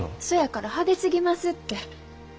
そやから派手すぎますって。